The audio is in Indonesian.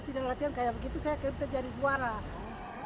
oh itu tiap hari itu kayak gitu ya om ya